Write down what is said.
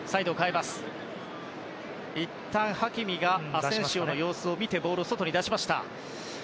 いったんハキミがアセンシオの様子を見てボールを外に出しました。